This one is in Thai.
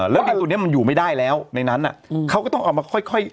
แล้วเงินตัวนี้มันอยู่ไม่ได้แล้วในนั้นเขาก็ต้องเอามาค่อย